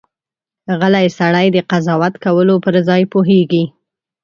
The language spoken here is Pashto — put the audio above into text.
غلی سړی، د قضاوت کولو پر ځای پوهېږي.